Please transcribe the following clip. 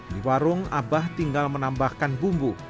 di warung abah tinggal menambahkan bumbu